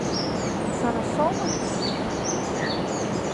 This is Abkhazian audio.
Сара соума шәыззыԥшу?!